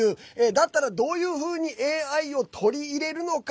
だったら、どういうふうにＡＩを取り入れるのか。